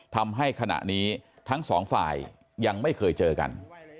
ทำให้ขณะนี้ทั้งสองฝ่ายยังไม่เคยเจอกัน